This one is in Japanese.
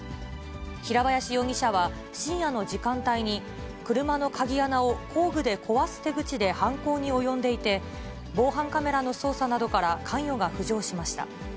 平林容疑者は深夜の時間帯に、車の鍵穴を工具で壊す手口で犯行に及んでいて、防犯カメラの捜査などから関与が浮上しました。